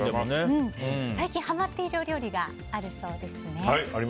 最近はまっているお料理があるそうですね。